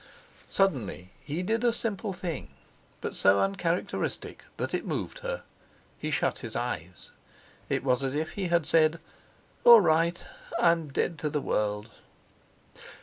Suddenly he did a simple thing, but so uncharacteristic that it moved her. He shut his eyes. It was as if he had said: "All right! I'm dead to the world!"